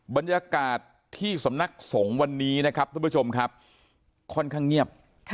บรรยากาศที่สำนักสงฆ์วันนี้นะครับทุกผู้ชมครับค่อนข้างเงียบ